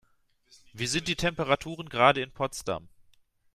Wie sind die Temperaturen gerade in Potsdam?